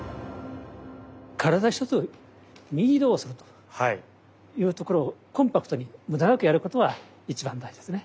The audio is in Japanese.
体一つ右移動するというところをコンパクトに無駄なくやることが一番大事ですね。